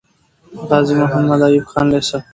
غازي محمد ايوب خان لیسه